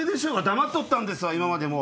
黙っとったんですわ今までも。